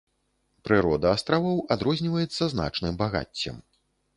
Прырода астравоў адрозніваецца значным багаццем.